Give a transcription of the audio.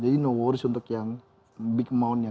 jadi no worries untuk yang big amount nya